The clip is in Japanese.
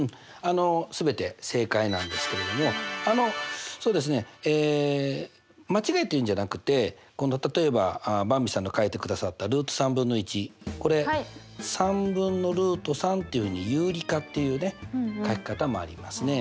全て正解なんですけれどもあのそうですねえ間違いというんじゃなくって例えばばんびさんが書いてくださったルート３分の１。これ３分のルート３というふうに有利化っていうね書き方もありますね。